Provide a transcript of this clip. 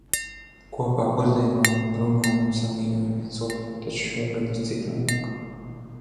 Kopā pusdienojam, runājam un samīļojam viens otru. Taču šogad ir citādāk.